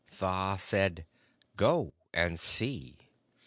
Tha said, 'Go and see.'